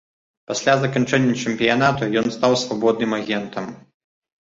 Пасля заканчэння чэмпіянату ён стаў свабодным агентам.